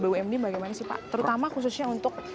bumd bagaimana sih pak terutama khususnya untuk